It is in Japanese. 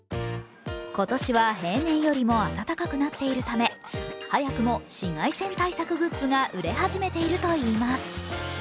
今年は平年よりも暖かくなっているため、早くも紫外線対策グッズが売れ始めているといいます。